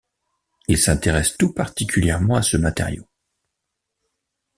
Il s’intéresse tout particulièrement à ce matériau.